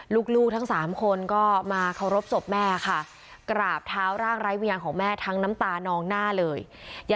ลูกทั้งสามคนก็มาเคารพศพแม่ค่ะกราบเท้าร่างไร้วิญญาณของแม่ทั้งน้ำตานองหน้าเลย